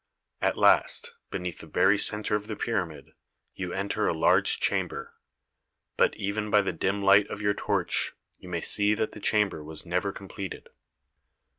At last, beneath the very centre of the pyramid, you enter a large chamber, but even by the dim light of your torch you may see that the chamber was never completed.